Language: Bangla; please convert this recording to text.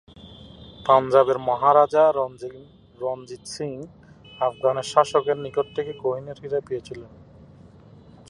পাঞ্জাবের মহারাজা রণজিৎ সিং আফগান শাসকের নিকট থেকে কোহিনূর হীরা পেয়েছিলেন।